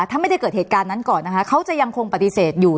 ถ้าไม่ได้เกิดเหตุการณ์นั้นก่อนนะคะเขาจะยังคงปฏิเสธอยู่